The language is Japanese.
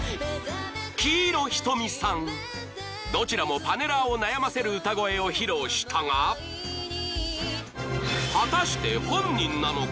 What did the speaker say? ［どちらもパネラーを悩ませる歌声を披露したが果たして本人なのか？